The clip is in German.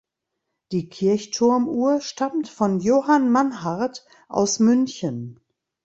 Die Kirchturmuhr stammt von Johann Mannhardt aus München.